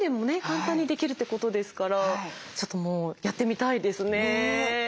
簡単にできるってことですからちょっともうやってみたいですね。